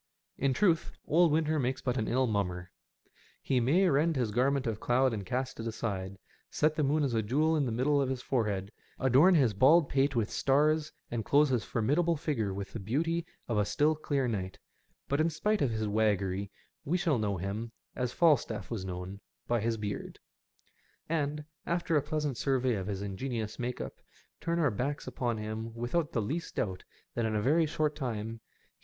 In truth, old winter makes but an ill mummer. He may rend his garment of cloud and cast it aside, set the moon as a jewel in the middle of his forehead, adorn his bald pate with stars, and clothe his formidable figure with the beauty of a still clear night ; but, in spite of his waggery, we shall know him, as Falstaff was known, by his beard: and, after a pleasant survey of his ingenious make up, turn our backs upon him without the least doubt that in a very SEASIDE EFFECTS. 217 short time he.